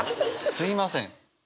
すみません。